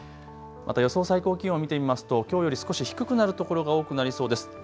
また予想最高気温見てみますときょうより少し低くなるところが多くなりそうです。